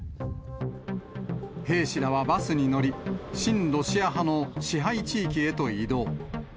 兵士らはバスに乗り、親ロシア派の支配地域へと移動。